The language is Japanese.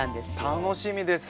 楽しみです！